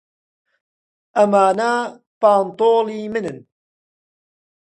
ئەمانە پانتۆڵی منن.